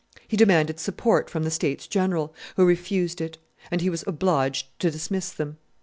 He demanded support from the states general, who refused it; and he was obliged to dismiss them.